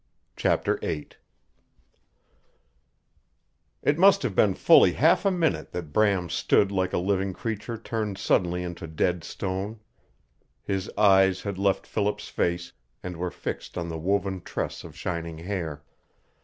CHAPTER VIII It must have been fully half a minute that Bram stood like a living creature turned suddenly into dead stone. His eyes had left Philip's face and were fixed on the woven tress of shining hair.